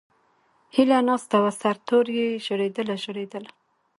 ھیلہ ناستہ وہ سر توریی ژڑیدلہ، ژڑیدلہ